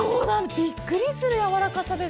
びっくりするやわらかさです。